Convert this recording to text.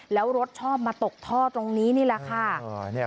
แล้วรถชอบมาตกท่อตรงนี้นี่แหละค่ะ